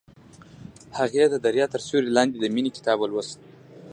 هغې د دریا تر سیوري لاندې د مینې کتاب ولوست.